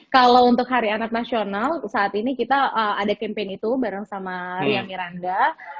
kalau untuk hari anak nasional saat ini kita ada campaign itu bareng sama ria miranda